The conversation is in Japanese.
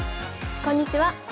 こんにちは。